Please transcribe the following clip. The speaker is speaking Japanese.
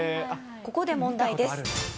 ここで問題です。